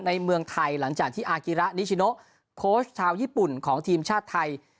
เมืองไทยหลังจากที่อากิระนิชิโนโค้ชชาวญี่ปุ่นของทีมชาติไทย